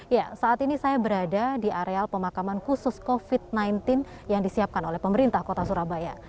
ya saat ini saya berada di areal pemakaman khusus covid sembilan belas yang disiapkan oleh pemerintah kota surabaya